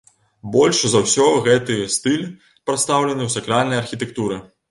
Больш за ўсё гэты стыль прадстаўлены ў сакральнай архітэктуры.